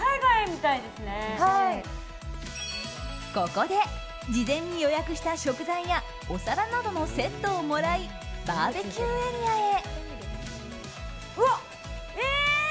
ここで事前に予約した食材やお皿などのセットをもらいバーベキューエリアへ。